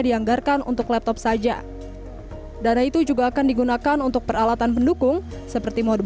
dianggarkan untuk laptop saja dana itu juga akan digunakan untuk peralatan pendukung seperti mode